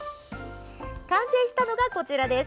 完成したのがこちらです。